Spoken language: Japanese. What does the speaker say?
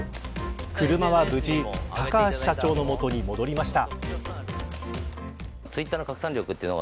車は無事高橋社長の元に戻りました。